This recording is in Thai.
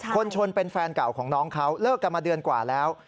คนชนเป็นแฟนเก่าของน้องเขาเลิกกันมาเดือนกว่าแล้ว